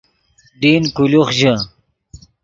ڈین کولوخ ژے